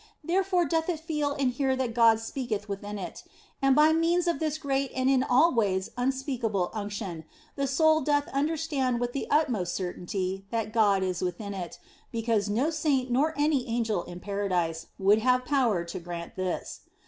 Therefore doth it feel and hear that God speaketh within it, and by means of this great and in all ways unspeakable unction the soul doth under stand with the utmost certainty that God is within it, because no saint nor any angel in Paradise would have power to grant this.